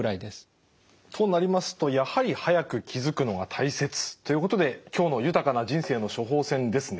となりますとやはり早く気付くのが大切ということで今日の「豊かな人生の処方せん」ですね。